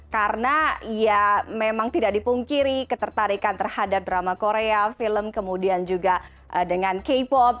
karena ya memang tidak dipungkiri ketertarikan terhadap drama korea film kemudian juga dengan k pop